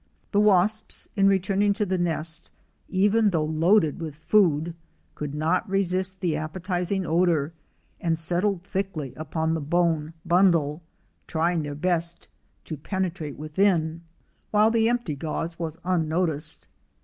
The wasps in returning to the nest, even though loaded with food, could not resist the appetizing odor, and settled thickly upon the bone bundle, trying their best 8 COMMUNAL LIFE to penetrate within, while the empty gauze was un noticed.